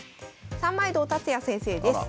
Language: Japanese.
三枚堂達也先生です。